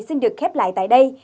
xin được khép lại tại đây